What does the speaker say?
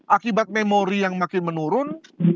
akibat memori yang makin menurun